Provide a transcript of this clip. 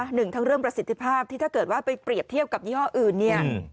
หนึ่งทั้งเรื่องประสิทธิภาพที่ถ้าเกิดว่าไปเปรียบเทียบกับยี่ห้ออื่นเนี่ย